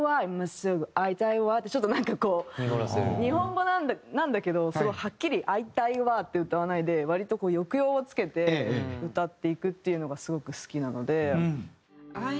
ちょっとなんかこう日本語なんだけどはっきり「会いたいわ」って歌わないで割と抑揚をつけて歌っていくっていうのがすごく好きなので。